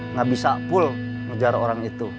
nggak bisa full ngejar orang itu